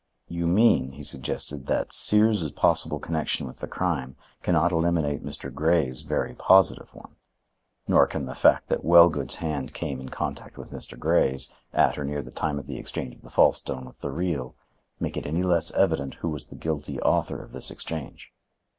"You mean," he suggested, "that Sears' possible connection with the crime can not eliminate Mr. Grey's very positive one; nor can the fact that Wellgood's hand came in contact with Mr. Grey's, at or near the time of the exchange of the false stone with the real, make it any less evident who was the guilty author of this exchange?"